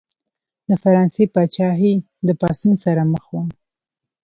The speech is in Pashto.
د فرانسې پاچاهي د پاڅون سره مخ وه.